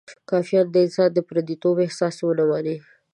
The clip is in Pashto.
کافکا د انسان د پردیتوب احساس ونمایي.